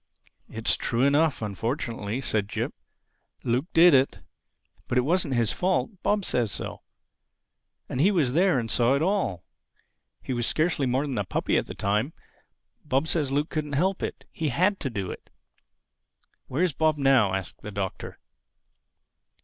"It's true enough—unfortunately," said Jip. "Luke did it. But it wasn't his fault. Bob says so. And he was there and saw it all. He was scarcely more than a puppy at the time. Bob says Luke couldn't help it. He had to do it." "Where is Bob now?" asked the Doctor.